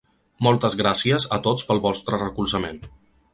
Moltes gracies a tots pel vostre recolzament.